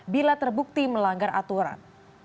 bila terbukti melanggar aturan